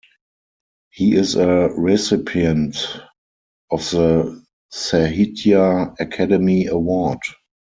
He is a recipient of the Sahitya Akademi Award.